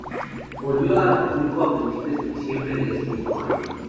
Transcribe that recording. Volvió a Acapulco a principios de diciembre de ese mismo año.